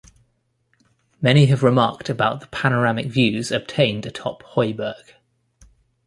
Many have remarked about the panoramic views obtained atop Hooiberg.